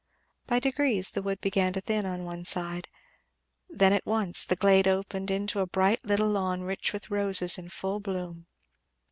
By degrees the wood began to thin on one side; then at once the glade opened into a bright little lawn rich with roses in full bloom.